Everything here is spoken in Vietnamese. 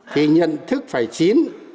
thì nhận thức phải chín